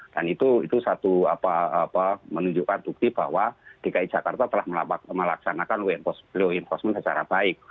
dan itu satu menunjukkan bukti bahwa dki jakarta telah melaksanakan law enforcement secara baik